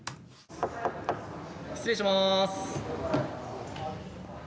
失礼します。